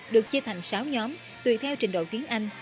được chia thành sáu nhóm tùy theo trình độ tiếng anh